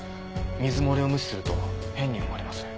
水漏れを無視すると変に思われます。